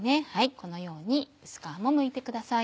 このように薄皮もむいてください。